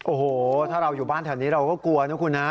โอ้โหถ้าเราอยู่บ้านแถวนี้เราก็กลัวนะคุณนะ